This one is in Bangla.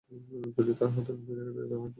যদি তা হতে নতুন জায়গায় যেতে হয়, তবুও।